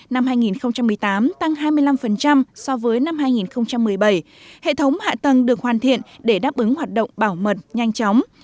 năm hai nghìn một mươi tám tăng hai mươi năm so với năm hai nghìn một mươi bảy hệ thống hạ tầng được hoàn thiện để đáp ứng hoạt động bảo mật nhanh chóng